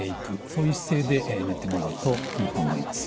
そういう姿勢で寝てもらうといいと思います。